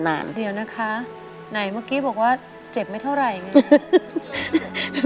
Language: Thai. เดี๋ยวนะคะไหนเมื่อกี้บอกว่าเจ็บไม่เท่าไหร่ไง